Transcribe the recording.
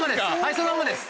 そのままです。